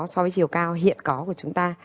so với chiều cao hiện có của chúng ta